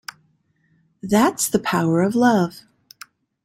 That's the power of love.